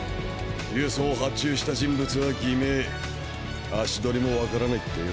輸送を発注した人物は偽名足取りも分からないってよ。